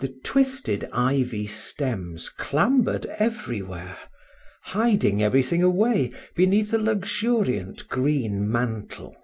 The twisted ivy stems clambered everywhere, hiding everything away beneath a luxuriant green mantle.